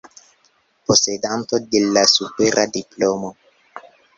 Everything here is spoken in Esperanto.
Posedanto de la supera diplomo.